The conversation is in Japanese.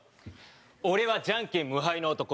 俺はジャンケン無敗の男。